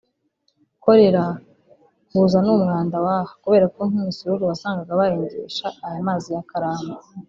Kolera kuza ni umwanda w’aha kubera ko nk’imisururu wasangaga bayengesha aya mazi ya Karambo